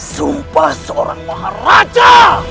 sumpah seorang maharaja